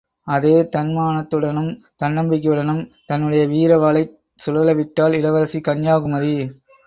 அதே தன்மானத்துடனும் தன்னம்பிக்கையுடனும் தன்னுடைய வீர வாளைச் சுழலவிட்டாள் இளவரசி கன்யாகுமரி!